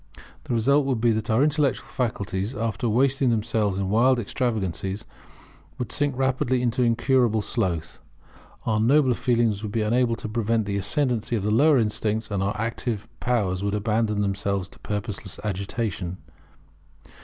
The result would be that our intellectual faculties, after wasting themselves in wild extravagancies, would sink rapidly into incurable sloth; our nobler feelings would be unable to prevent the ascendancy of the lower instincts; and our active powers would abandon themselves to purposeless agitation.